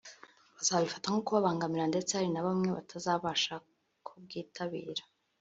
bazabifata nko kubabangamira ndetse hari na bamwe batazabasha kubwitabira